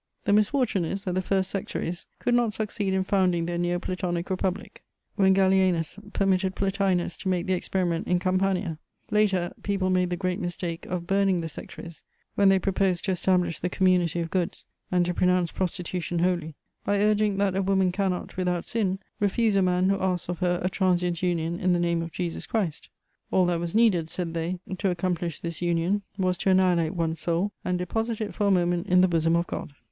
The misfortune is that the first sectaries could not succeed in founding their Neo Platonic Republic, when Gallienus permitted Plotinus to make the experiment in Campania; later, people made the great mistake of burning the sectaries when they proposed to establish the community of goods and to pronounce prostitution holy, by urging that a woman cannot, without sin, refuse a man who asks of her a transient union in the name of Jesus Christ: all that was needed, said they, to accomplish this union was to annihilate one's soul and deposit it for a moment in the bosom of God.